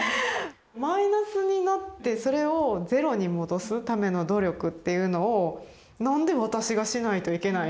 「マイナスになってそれをゼロに戻すための努力っていうのをなんで私がしないといけないの？」